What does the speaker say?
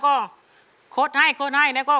คนที่สองชื่อน้องก็เอาหลานมาให้ป้าวันเลี้ยงสองคน